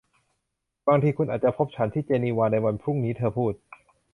บางทีคุณอาจจะพบฉันที่เจนีวาในวันพรุ่งนี้เธอพูด